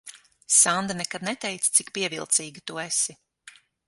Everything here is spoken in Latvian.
Sanda nekad neteica, cik pievilcīga tu esi.